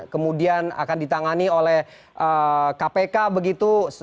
kemudian akan ditangani oleh kpk begitu